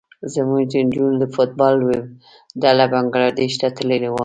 زموږ د نجونو د فټ بال لوبډله بنګلادیش ته تللې وه.